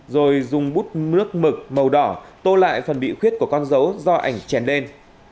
rồi dùng bút nước mực màu đỏ tô lại phần bị khuyết của con dấu do ảnh chèn đen